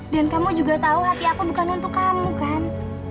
dan kamu juga tau hati aku bukan untuk kamu kan